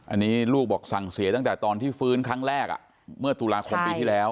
อันนี้ลูกบอกสั่งเสียตั้งแต่ตอนที่ฟื้นครั้งแรกเมื่อตุลาคมปีที่แล้ว